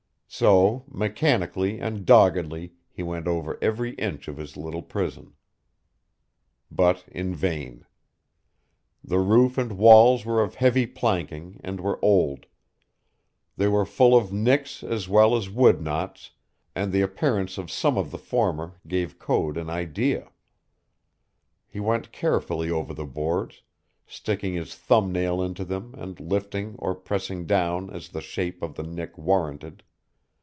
So, mechanically and doggedly he went over every inch of his little prison. But in vain. The roof and walls were of heavy planking and were old. They were full of nicks as well as wood knots, and the appearance of some of the former gave Code an idea. He went carefully over the boards, sticking his thumb nail into them and lifting or pressing down as the shape of the nick warranted.